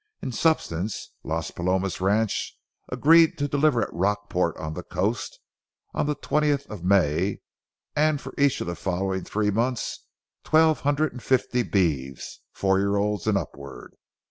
In substance, Las Palomas ranch agreed to deliver at Rockport on the coast, on the twentieth of May, and for each of the following three months, twelve hundred and fifty beeves, four years old and upward.